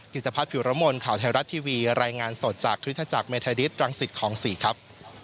กิจพัฒน์ผิวระม่วลข่าวไทยรัตน์ทีวีรายงานสดจากคฤทธิจักรเมทาดิสรังสิทธิ์ของศรีครับ